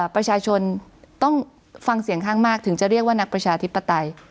ประชาชนต้องฟังเสียงข้างมากถึงจะเรียกว่านักประชาธิปไตย